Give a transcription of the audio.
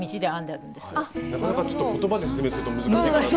なかなかちょっと言葉で説明すると難しい。